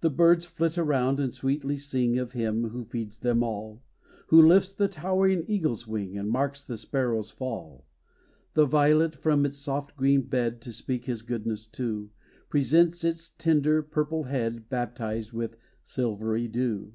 The birds flit round, and sweetly sing Of him, who feeds them all, Who lifts the towering eagle's wing, And marks the sparrow's fall. The violet, from its soft green bed, To speak his goodness too, Presents its tender, purple head Baptized with silvery dew.